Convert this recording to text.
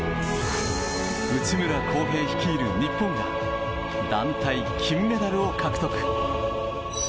内村航平率いる日本が団体金メダルを獲得！